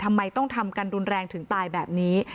ทำไมต้องทำกันรุนแรงถึงตายแบบนี้